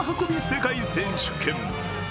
世界選手権。